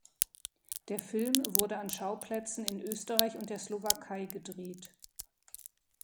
Der Film wurde an Schauplätzen in Österreich und der Slowakei gedreht.